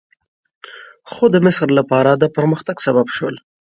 خو د مصر لپاره د پرمختګ سبب شول.